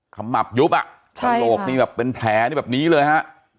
ขมับยุบอ่ะกระโหลกนี่แบบเป็นแผลนี่แบบนี้เลยฮะ